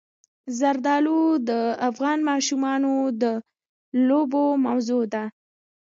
زردالو د افغان ماشومانو د لوبو موضوع ده.